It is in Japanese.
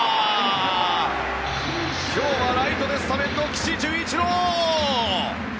今日はライトでスタメンの岸潤一郎！